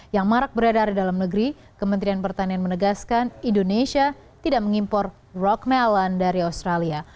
yang marak beredar di dalam negeri kementerian pertanian menegaskan indonesia tidak mengimpor rock melon dari australia